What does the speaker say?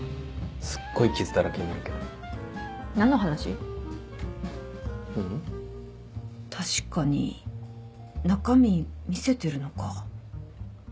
すっごい傷だらけになるけど確かに中身見せてるのか